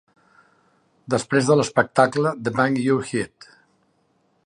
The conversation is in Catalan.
Desprès de l'espectacle de Bang Your Head!!!